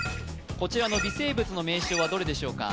こちらの微生物の名称はどれでしょうか？